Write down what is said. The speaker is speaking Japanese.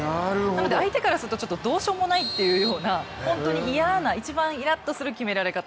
なので相手からすると、ちょっとどうしようもないというか、本当に、一番嫌な一番イラっとする決められ方。